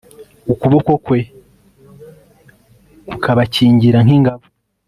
ukuboko kwe kukabakingira nk'ingabo